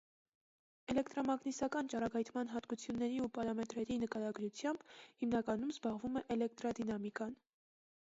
Էլեկտամագնիսական ճառագայթման հատկությունների ու պարամետրերի նկարագրությամբ հիմնականում զբաղվում է էլեկտրադինամիկան։